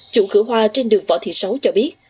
chủ cửa hoa trên đường võ thị sáu cho biết